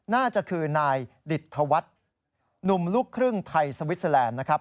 น่าจะคือนายดิตธวัฒน์หนุ่มลูกครึ่งไทยสวิสเตอร์แลนด์นะครับ